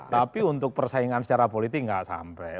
tapi untuk persaingan secara politik nggak sampai